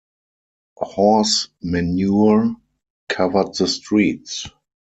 Horse manure covered the streets.